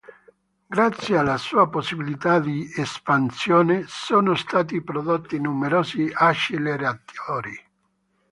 Grazie alle sue possibilità di espansione, sono stati prodotti numerosi acceleratori.